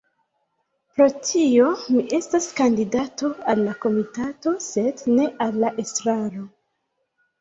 Pro tio mi estas kandidato al la komitato sed ne al la estraro.